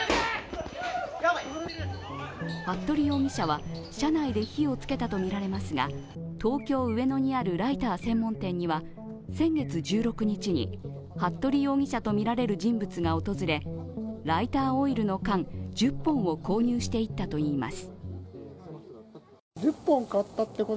服部容疑者は車内で火をつけたとみられますが東京・上野にあるライター専門店には先月１６日に服部容疑者とみられる人物が訪れ、ライターオイルの缶１０本を購入していったといいます。